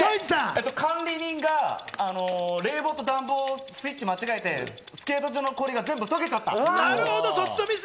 管理人が冷房と暖房のスイッチを間違えてスケート場の氷が全部とけちゃった。